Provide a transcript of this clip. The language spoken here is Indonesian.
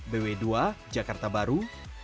bw dua jakarta baru